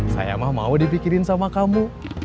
saya mah mau dipikirin sama kamu